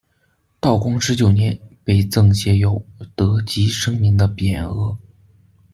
道光十九年，被赠写有「德及生民」的匾额。